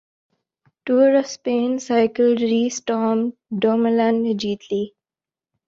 tour of Spain cycle race Tom Dumoulin نے جیت لی